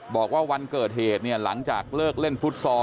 บอกว่าวันเกิดเหตุเนี่ยหลังจากเลิกเล่นฟุตซอล